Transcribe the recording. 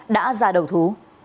đã ra đầu thú